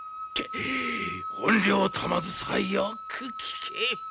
怨霊玉梓よく聞け。